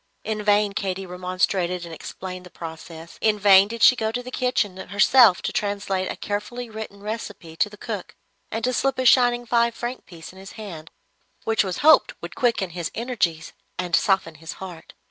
In vain Katy remonstrated and explained the process. In vain did she go to the kitchen herself to translate a carefully written recipe to the cook, and to slip a shining five franc piece in his hand, which it was hoped would quicken his energies and soften his heart.